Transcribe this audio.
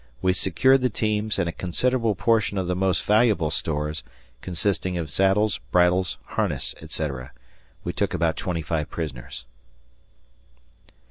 We secured the teams and a considerable portion of the most valuable stores, consisting of saddles, bridles, harness, etc. We took about 25 prisoners.